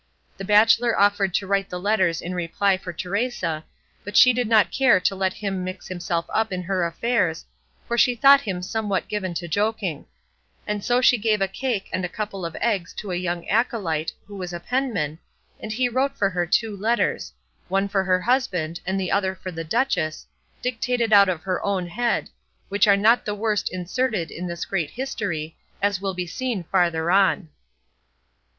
The bachelor offered to write the letters in reply for Teresa; but she did not care to let him mix himself up in her affairs, for she thought him somewhat given to joking; and so she gave a cake and a couple of eggs to a young acolyte who was a penman, and he wrote for her two letters, one for her husband and the other for the duchess, dictated out of her own head, which are not the worst inserted in this great history, as will be seen farther on.